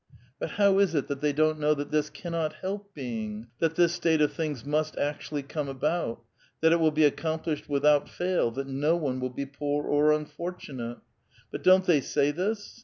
But how is it that they don't know that this cannot help • being, that this state of things must actually come about, that it will be accomplished without fail, that no one will be poor or unfortunate? But don't they say this?